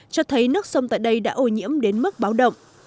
cho thấy nước sông tại đây đã ô nhiễm đến mức báo động